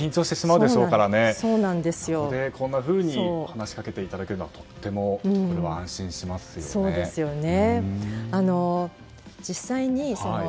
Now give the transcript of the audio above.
そこで、こんなふうに話しかけていただけるのはとても安心しますよね。